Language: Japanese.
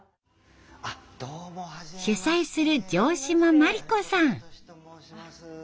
主宰する城島麻理子さん。